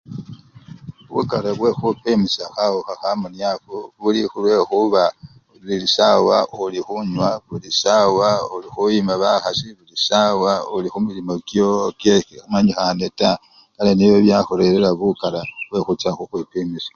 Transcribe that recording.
Bukala bwekhukhwipimisya khawukha khamuniafu buli khulwekhuba buli sawa olikhunywa, buli sawa olikhoyencha bakhasi, buli sawa olikhukasi ekhamanyikhane taa kale, nebyo byakhurerera bukara bwekhucha khukhwipimisya.